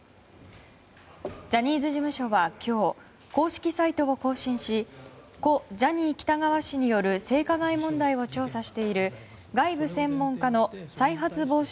ジャニーズ事務所は今日公式サイトを更新し故ジャニー喜多川氏による性加害問題を調査している外部専門家の再発防止